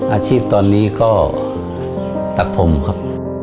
อาชีพตอนนี้ก็ตัดผมครับ